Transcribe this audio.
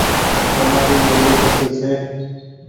تمآري ٻولي ڪسي ڇي ۔